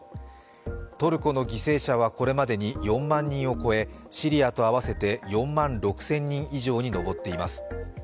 トルコの犠牲者はこれまでに４万人を超えシリアと合わせて４万６０００人以上に上っています。